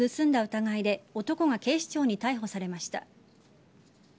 疑いで男が警視庁に逮捕されました。